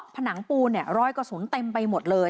ผนังปูนรอยกระสุนเต็มไปหมดเลย